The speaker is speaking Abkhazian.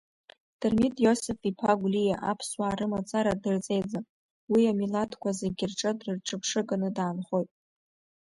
Дырмит Иосыф-иԥа Гәлиа аԥсуаа рымацара дырҵеиӡам, уи амилаҭқәа зегьы рзы дҿырԥшыганы даанхоит.